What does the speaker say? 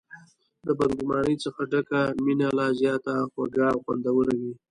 د بد ګمانۍ څخه ډکه مینه لا زیاته خوږه او خوندوره وي.